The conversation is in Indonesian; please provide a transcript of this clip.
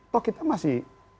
kok kita masih